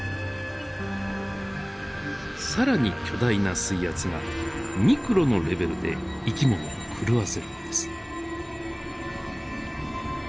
更に巨大な水圧がミクロのレベルで生き物を狂わせるのです。